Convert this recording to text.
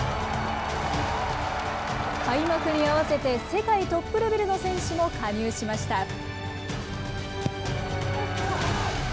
開幕に合わせて世界トップレベルの選手も加入しました。